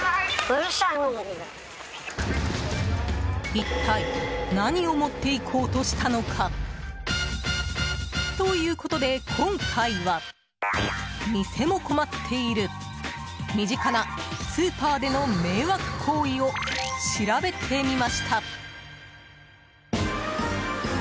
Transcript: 一体何を持っていこうとしたのか。ということで今回は店も困っている身近なスーパーでの迷惑行為を調べてみました。